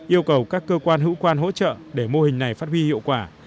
yêu cầu các cơ quan hữu quan hỗ trợ để mô hình này phát huy hiệu quả